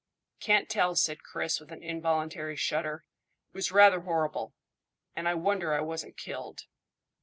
"Can't tell," said Chris, with an involuntary shudder. "It was rather horrible, and I wonder I wasn't killed."